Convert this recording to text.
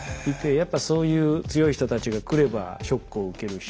やっぱそういう強い人たちが来ればショックを受けるし。